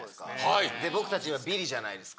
僕たちはびりじゃないですか。